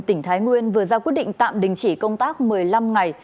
tỉnh thái nguyên vừa ra quyết định tạm đình chỉ công tác một mươi năm ngày